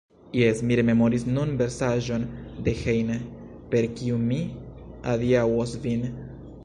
Jes; mi rememoris nun versaĵon de Heine, per kiu mi adiaŭos vin.